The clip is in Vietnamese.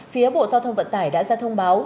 phía bộ giao thông vận tải đã ra thông báo